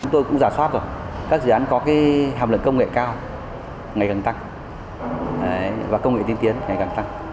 tôi cũng giả soát rồi các dự án có hàm lực công nghệ cao ngày càng tăng công nghệ tiên tiến ngày càng tăng